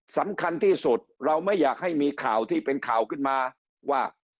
สำคัญที่สุดเราไม่อยากให้มีข่าวที่เป็นข่าวขึ้นมาว่า